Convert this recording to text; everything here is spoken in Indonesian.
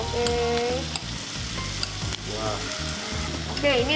oke ini langkah muda yang sudah direbus